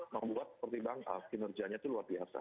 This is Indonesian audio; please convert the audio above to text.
membuat seperti bangka kinerjanya itu luar biasa